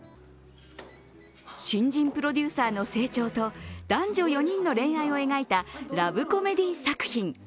新人プロデューサーの成長と男女４人の恋愛を描いたラブコメディー作品。